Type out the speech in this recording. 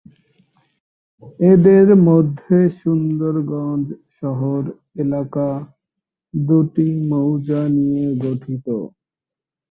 এদের মধ্যে সুন্দরগঞ্জ শহর এলাকা দুটি মৌজা নিয়ে গঠিত।